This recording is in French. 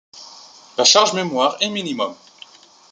La charge mémoire est minimum.